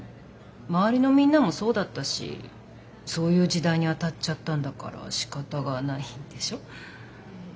周りのみんなもそうだったしそういう時代に当たっちゃったんだからしかたがないでしょ？